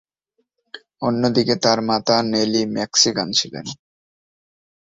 অন্যদিকে তার মাতা নেলি মেক্সিকান ছিলেন।